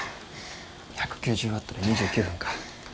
１９０ワットで２９分か。